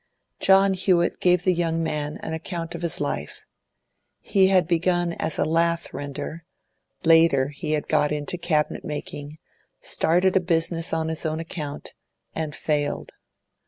John Hewett gave the young man an account of his life. He had begun as a lath render; later he had got into cabinet making, started a business on his own account, and failed.